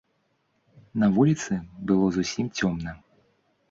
На вуліцы было зусім цёмна.